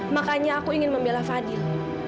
makanya aku ingin membela fadil